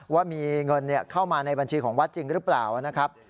ว่ามีเงินเข้ามาในบัญชีของวัดจริงหรือเปล่านะครับ